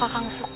aku akan mencoba